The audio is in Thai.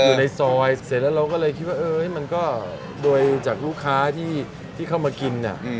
อยู่ในซอยเสร็จแล้วเราก็เลยคิดว่ามันก็โดยจากลูกค้าที่เข้ามากิน